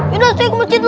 yaudah saya ke masjid dulu